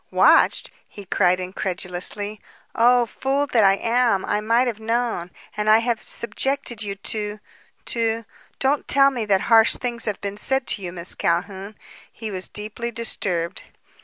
"Watched?" he cried incredulously. "Oh, fool that I am! I might have known. And I have subjected you to to don't tell me that harsh things have been said to you, Miss Calhoun!" He was deeply disturbed.